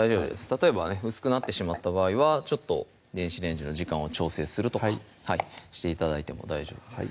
例えば薄くなってしまった場合はちょっと電子レンジの時間を調整するとかして頂いても大丈夫です